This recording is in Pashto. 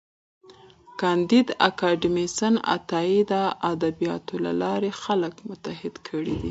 کانديد اکاډميسن عطايي د ادبياتو له لارې خلک متحد کړي دي.